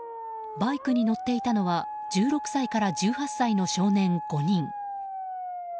バイクに乗っていたのは１６歳から１８歳の少年５人。